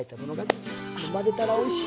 これ混ぜたらおいしいよ。